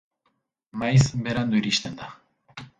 Maiz berandu iristen da.